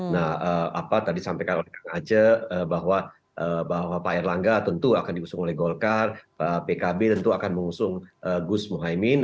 nah apa tadi sampaikan oleh kang aceh bahwa pak erlangga tentu akan diusung oleh golkar pak pkb tentu akan mengusung gus muhaymin